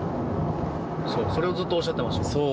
それをずっとおっしゃってましたよね。